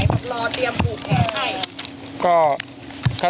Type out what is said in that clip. บ้านพักข่ายปรับรอเตรียมปลูกแผนให้